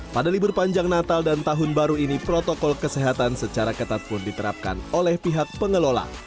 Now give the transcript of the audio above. pada libur panjang natal dan tahun baru ini protokol kesehatan secara ketat pun diterapkan oleh pihak pengelola